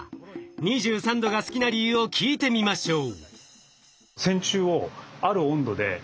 ２３℃が好きな理由を聞いてみましょう。